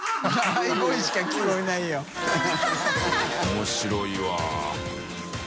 面白いわ。